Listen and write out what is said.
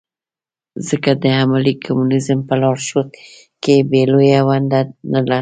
ځکه د عملي کمونیزم په لارښوونه کې یې لویه ونډه نه لرله.